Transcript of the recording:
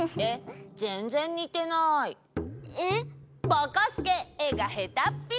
ぼこすけえがへたっぴ！